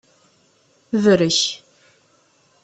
Brek.